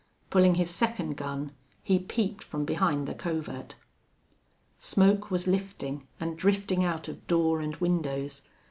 Pulling his second gun, he peeped from behind the covert. Smoke was lifting, and drifting out of door and windows.